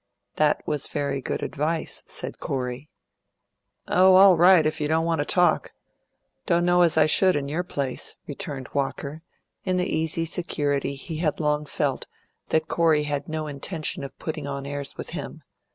"That was very good advice," said Corey. "Oh, all right, if you don't want to talk. Don't know as I should in your place," returned Walker, in the easy security he had long felt that Corey had no intention of putting on airs with him.